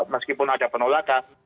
meskipun ada penolakan